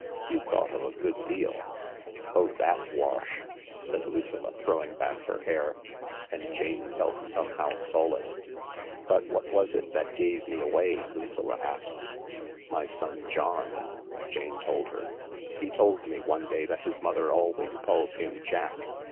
" You thought of a good deal." "Oh, that wash I "said Lucilla, throwing back her hair. And Jane felt somehow solaced. * But what was it that gave me away ?" Lucilla asked. ' My son John/ " Jane told her. " He told me one day that his mother always calls him Jack.